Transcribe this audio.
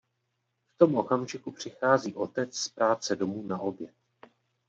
V tom okamžiku přichází otec z práce domů na oběd.